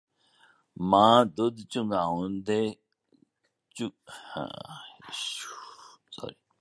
ਮਾਂ ਦੁੱਧ ਚੁੰਘਾਉਂਦੇ ਸਮੇਂ ਬੱਚੇ ਨੂੰ ਪੁਚਕਾਰੀ ਹੈ